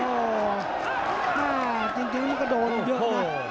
โอ้โหจริงจริงกะโดนด้วยนะ